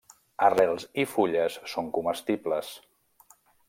Arrels i fulles són comestibles.